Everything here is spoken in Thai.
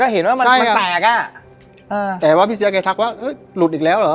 เห็นว่ามันมันแตกอ่ะอ่าแต่ว่าพี่เสียแกทักว่าหลุดอีกแล้วเหรอ